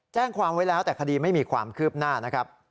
แจ้งความไว้แล้วแต่คดีไม่มีความคืบหน้านะครับ